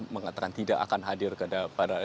mengatakan tidak akan hadir pada